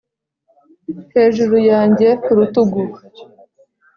hejuru yanjye, ku rutugu,